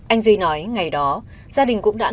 anh duy nói ngày đó gia đình cũng đã tìm kiếm